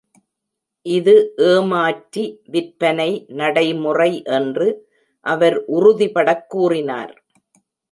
இது ஏமாற்றி விற்பனை நடைமுறை என்று அவர் உறுதிபடக் கூறினார்.